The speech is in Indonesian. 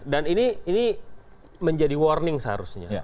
dan ini menjadi warning seharusnya